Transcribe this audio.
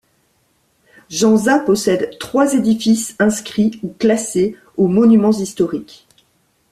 Jenzat possède trois édifices inscrits ou classés aux monuments historiques.